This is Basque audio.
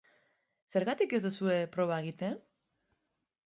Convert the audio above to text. Zergatik ez duzue proba egiten?